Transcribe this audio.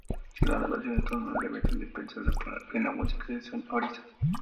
Las narraciones son un elemento indispensable en la música de Sound Horizon.